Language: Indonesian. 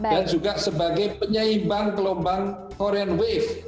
dan juga sebagai penyeimbang kelombang korean wave